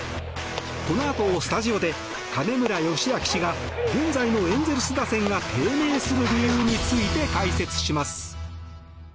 このあとスタジオで金村義明氏が現在のエンゼルス打線が低迷する理由について解説します。